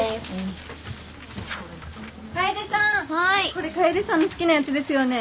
これ楓さんの好きなやつですよね。